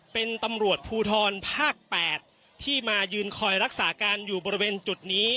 เป็นตำรวจภูทรภาค๘ที่มายืนคอยรักษาการอยู่บริเวณจุดนี้